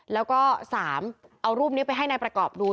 แล้วก็๓เอารูปนี้ไปให้นายประกอบดู